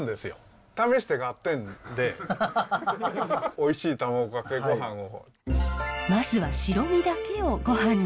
おいしい卵かけごはんを。